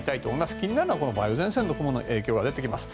気になるのは梅雨前線の影響が出てきます。